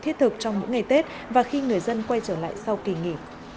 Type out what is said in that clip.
thiết thực trong những ngày tết và khi người dân quay trở lại sau kỳ nghỉ